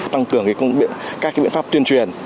tăng cường các biện pháp tuyên truyền